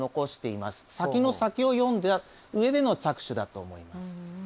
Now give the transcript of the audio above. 先の先を読んだ上での着手だと思います。